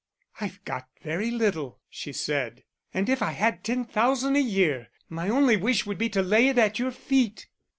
"I've got very little," she said. "And if I had ten thousand a year, my only wish would be to lay it at your feet."